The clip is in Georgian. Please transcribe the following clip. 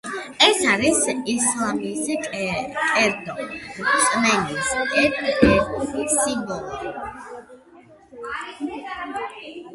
ეს არის ისლამის კრედო, რწმენის ერთ-ერთი სიმბოლო.